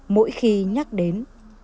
mỗi khi nhắc đến